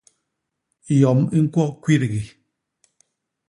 Yom i ñkwo kwigdi.